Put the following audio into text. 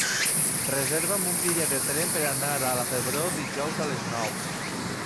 Reserva'm un bitllet de tren per anar a la Febró dijous a les nou.